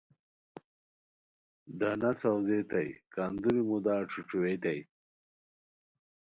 دانہ ساؤزیتائے کندوری مودا ݯھوݯھوئیتائے